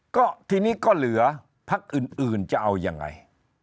ก็ทีนี้ก็เหลือพักอื่นจะเอายังไง